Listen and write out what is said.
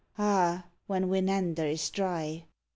ah, when Winander is dry